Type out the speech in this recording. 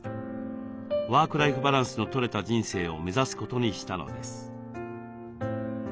ワークライフバランスのとれた人生を目指すことにしたのです。